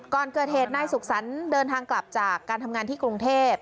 ก่อนเกิดเหตุนายสุขสรรค์เดินทางกลับจากการทำงานที่กรุงเทพ